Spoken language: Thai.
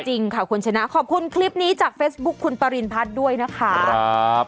จริงค่ะคุณชนะขอบคุณคลิปนี้จากเฟซบุ๊คคุณปรินพัฒน์ด้วยนะคะ